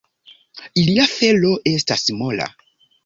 Ilia felo estas mola.